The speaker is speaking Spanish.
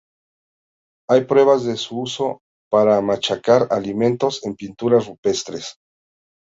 Hay pruebas de su uso para machacar alimentos en pinturas rupestres.